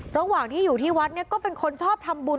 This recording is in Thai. ระหว่างที่อยู่ที่วัดเนี่ยก็เป็นคนชอบทำบุญ